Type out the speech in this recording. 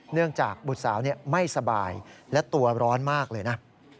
เนื่องจากบุตรสาวไม่สบายและตัวร้อนมากเลยนะ